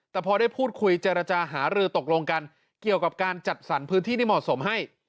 แต่พอได้พูดคุยเจรจาหารือตกลงกันเกี่ยวกับการจัดสรรพื้นที่ที่เหมาะสมให้